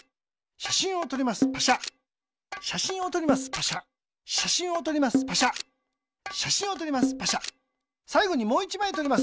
しゃしんをとります。